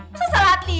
masa salah hati